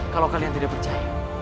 kalau kalian tidak percaya